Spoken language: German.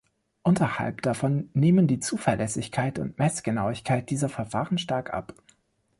Unterhalb davon nehmen die Zuverlässigkeit und Messgenauigkeit dieser Verfahren stark ab.